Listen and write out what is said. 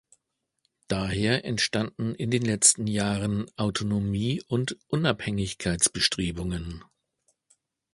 Daher entstanden in den letzten Jahren Autonomie- und Unabhängigkeitsbestrebungen.